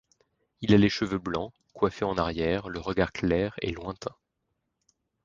Il a les cheveux blancs, coiffés en arrière, le regard clair et lointain.